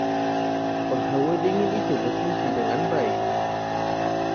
Penghawa dingin itu berfungsi dengan baik.